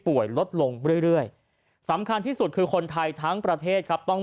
ลดลงเรื่อยสำคัญที่สุดคือคนไทยทั้งประเทศครับต้อง